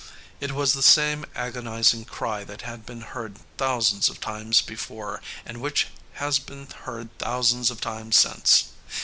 It was the same agonizing cry that had been heard thousands of times before and which has been heard thousands of times since.